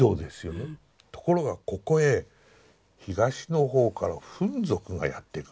ところがここへ東のほうからフン族がやって来る。